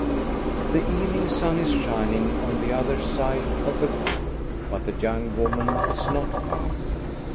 The evening sun is shining on the other side of the wood, but the young woman is not found.